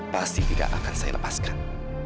pasti tidak akan saya lepaskan